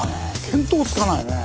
見当つかないね。